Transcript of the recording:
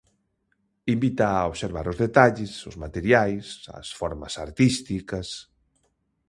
Invita a observar os detalles, os materiais, as formas artísticas...